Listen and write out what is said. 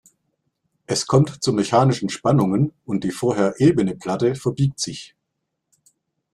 Es kommt zu mechanischen Spannungen und die vorher ebene Platte verbiegt sich.